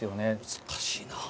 難しいなあ。